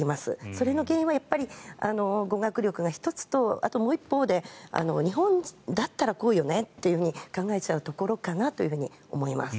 それの原因は、語学力が１つとあともう１つは日本だったらこうよねと考えちゃうところかなと思います。